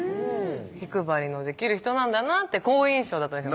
気配りのできる人なんだなって好印象だったんです